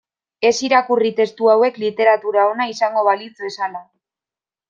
Ez irakurri testu hauek literatura ona izango balitz bezala.